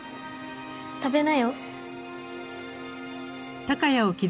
食べなよ。